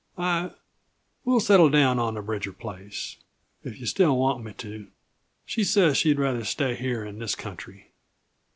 I we'll settle down on the Bridger place, if yuh still want me to. She says she'd rather stay here in this country."